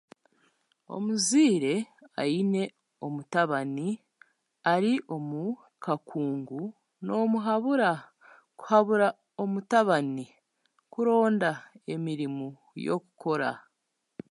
Omuzaire aine omutabani ari omu kakungu n'omuhabura kuhabura omutabani kuronda emirimo y'okukora